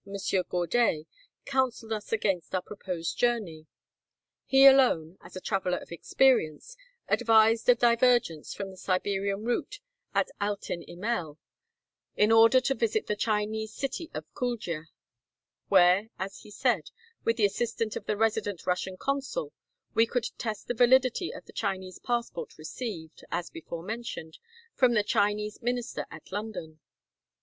Gourdet, counseled us against our proposed journey. He alone, as a traveler of experience, advised a divergence from the Siberian route at Altin Imell, in order to visit the Chinese city of Kuldja, where, as he said, with the assistance of the resident Russian consul we could test the validity of the Chinese passport received, as before mentioned, from the Chinese minister at London.